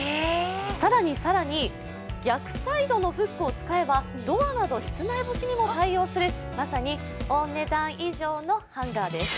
更に更に、逆サイドのフックを使えばドアなど室内干しにも対応するまさに「お、ねだん以上」のハンガ−です。